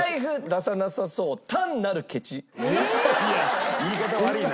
いや言い方悪いな。